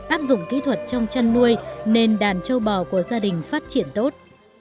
áp dụng kỹ thuật trong chăn nuôi nên đàn châu bò của gia đình phát triển tốt